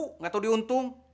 tidak tahu diuntung